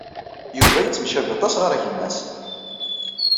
Yuba yettemcabi aṭas ɣer gma-s.